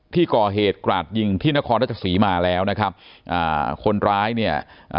ที่ก่อเหตุกราดยิงที่นครราชสีมาแล้วนะครับอ่าคนร้ายเนี่ยอ่า